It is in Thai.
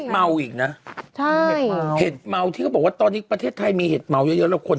มันหลอนมากนะต้องระมัดระวัง